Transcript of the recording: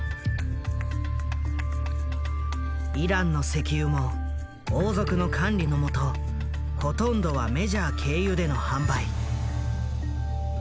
イランの石油も王族の管理の下ほとんどはメジャー経由での販売。